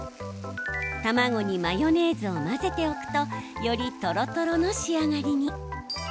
卵にマヨネーズを混ぜておくとより、とろとろの仕上がりに。